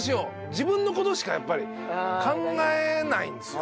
自分の事しかやっぱり考えないんですよ